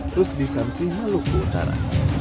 terus disamsi maluku utara